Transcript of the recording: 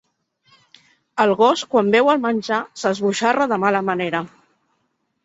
El gos quan veu el menjar s'esbojarra de mala manera.